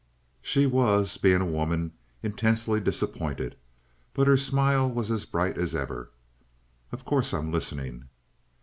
She was, being a woman, intensely disappointed, but her smile was as bright as ever. "Of course I'm listening."